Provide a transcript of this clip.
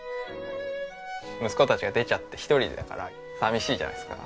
息子たちが出ちゃって１人だから寂しいじゃないですか。